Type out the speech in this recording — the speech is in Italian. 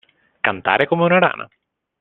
Cantare come una rana.